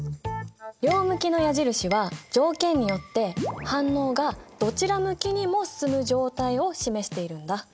両向きの矢印は条件によって反応がどちら向きにも進む状態を示しているんだ。